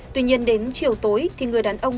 tuy nhiên đến chiều tối thì người đàn ông